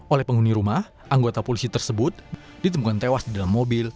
oleh penghuni rumah anggota polisi tersebut ditemukan tewas di dalam mobil